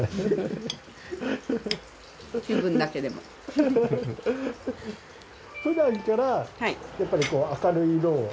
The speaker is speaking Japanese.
ふだんからやっぱり明るい色を？